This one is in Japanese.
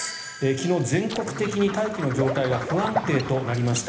昨日、全国的に大気の状態が不安定となりました。